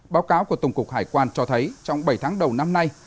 báo cáo của tổng cục hải quan cho thấy trong bảy tháng đầu năm nay